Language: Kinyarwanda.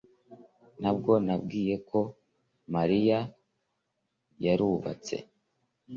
Ntabwo nabwiye ko Mariya yarubatse